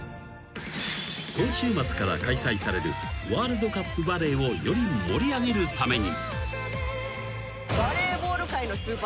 ［今週末から開催されるワールドカップバレーをより盛り上げるために］